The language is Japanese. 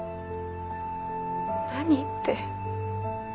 何って。